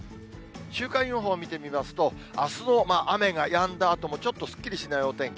週間予報を見てみますと、あすの雨がやんだあとも、ちょっとすっきりしないお天気。